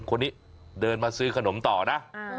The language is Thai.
คนนี้เดินมาซื้อขนมต่อนะ